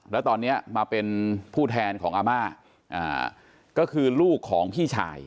แล้วตอนนี้มาเป็นผู้แทนของอาม่าก็คือลูกของพี่ชาย